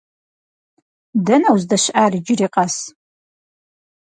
Дэнэ уздэщыӏар иджыри къэс?